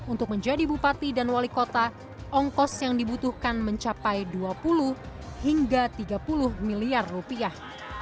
untuk menjadi bupati dan wali kota ongkos yang dibutuhkan mencapai dua puluh hingga tiga puluh miliar rupiah